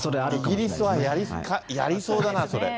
イギリスはやりそうだな、それ。